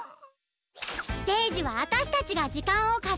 ステージはあたしたちがじかんをかせぐ。